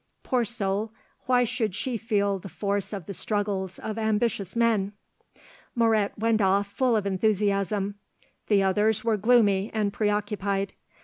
Poor soul, why should she feel the force of the struggles of ambitious men? Moret went off full of enthusiasm; the others were gloomy and preoccupied.